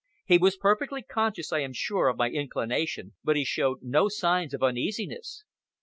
He was perfectly conscious, I am sure, of my inclination, but he showed no signs of uneasiness.